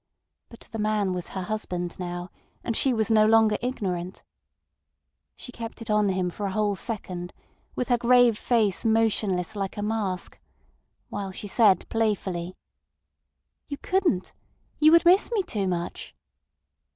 But the man was her husband now, and she was no longer ignorant. She kept it on him for a whole second, with her grave face motionless like a mask, while she said playfully: "You couldn't. You would miss me too much."